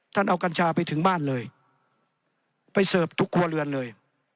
เอากัญชาไปถึงบ้านเลยไปเสิร์ฟทุกครัวเรือนเลย